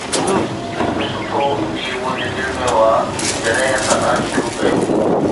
هڪ سئو تير منهنجي دل ۾ هئا جڏهن اسان ناچ شروع ڪيو